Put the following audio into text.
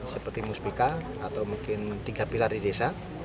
seperti musbika atau mungkin tiga pilar di desa